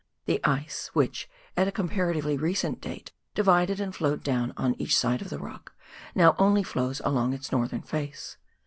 The ice, which at a comparatively recent date divided and flowed down on each side of the rock, now only flows along its northern face.